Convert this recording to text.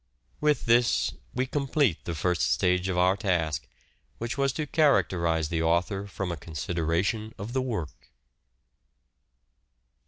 With this we complete the first stage of our task which was to characterize the author from a con sideration of the work.